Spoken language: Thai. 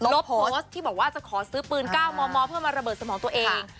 ลบโพสต์ที่บอกว่าจะขอซื้อปืน๙มมเพื่อมาระเบิดสมองตัวเอง